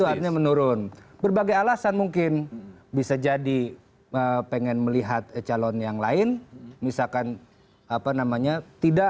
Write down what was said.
itu artinya menurun berbagai alasan mungkin bisa jadi pengen melihat calon yang lain misalkan apa namanya tidak